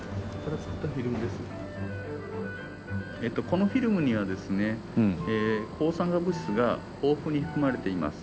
このフィルムにはですね抗酸化物質が豊富に含まれています。